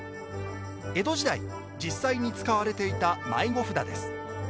江戸時代、実際に使われていた迷子札です。